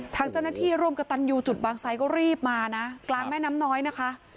ทางเจ้าหน้าที่ร่วมกับตันยูจุดบางไซดก็รีบมานะกลางแม่น้ำน้อยนะคะ